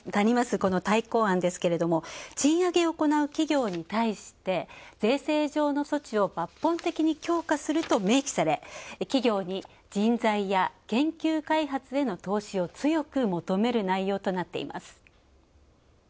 この大綱案ですけども、賃上げを行う企業に対して税制上の措置を抜本的に強化すると明記され、企業に人材や研究開発への投資を強く求める内容となっています。